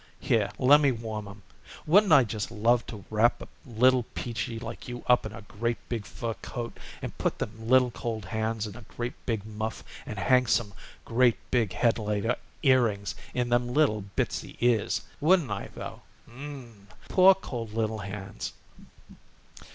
Here, lemme warm 'em. Wouldn't I just love to wrap a little Peachy like you up in a great big fur coat and put them little cold hands in a great big muff and hang some great big headlight earrings in them little bittsie ears. Wouldn't I, though. M m m m! Poor cold little hands!"